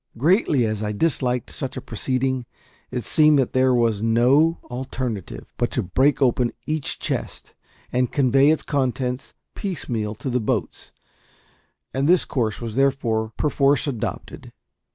Greatly as I disliked such a proceeding, it seemed that there was no alternative but to break open each chest, and convey its contents piecemeal to the boats; and this course was therefore perforce adopted.